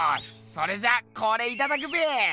それじゃあこれいただくべ！